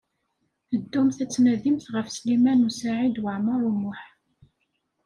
Ddumt ad d-tnadimt ɣef Sliman U Saɛid Waɛmaṛ U Muḥ.